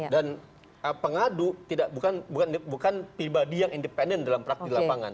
dan pengadu bukan pribadi yang independen dalam praktik di lapangan